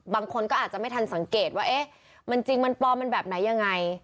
บางคนก็อาจจะไม่ทันสังเกตว่าเอ๊ะมันจริงมันปลอมมันแบบไหนยังไง